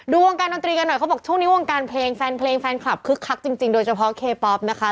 วงการดนตรีกันหน่อยเขาบอกช่วงนี้วงการเพลงแฟนเพลงแฟนคลับคึกคักจริงโดยเฉพาะเคป๊อปนะคะ